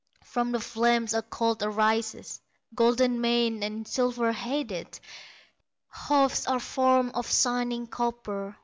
From the flames a colt arises, Golden maned and silver headed, Hoofs are formed of shining copper.